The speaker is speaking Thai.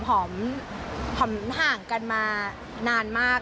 หอมห่างกันมานานมาก